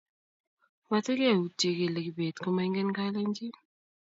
matikeutye kole kibet komaingen kalenjin